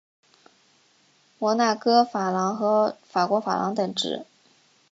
摩纳哥法郎和法国法郎等值。